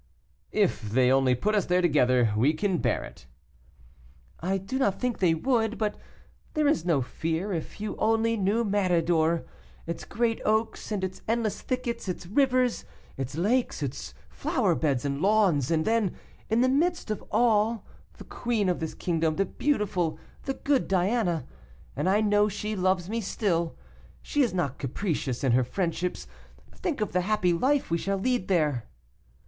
"If they only put us there together, we can bear it." "I do not think they would. But there is no fear, if you only knew Méridor, its great oaks, and its endless thickets, its rivers, its lakes, its flower beds and lawns; and, then, in the midst of all, the queen of this kingdom, the beautiful, the good Diana. And I know she loves me still; she is not capricious in her friendships. Think of the happy life we shall lead there."